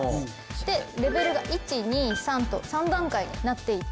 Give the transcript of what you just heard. でレベルが１２３と３段階になっていて。